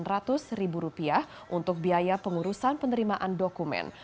ketika dianggap tidak berhasil pengurusan penerimaan dokumen